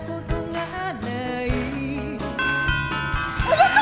やった！